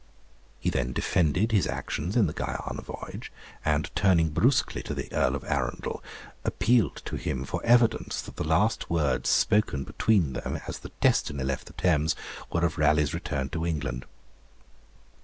He then defended his actions in the Guiana voyage, and turning brusquely to the Earl of Arundel, appealed to him for evidence that the last words spoken between them as the 'Destiny' left the Thames were of Raleigh's return to England.